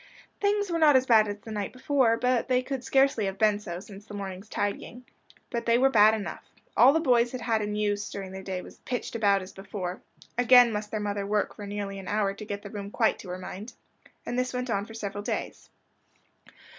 Things were not as bad as the night before they could scarcely have been so, since the morning's tidying. But they were bad enough. All the boys had had in use during the day was "pitched about" as before again must their mother work for nearly an hour to get the room quite to her mind. And this went on for several days.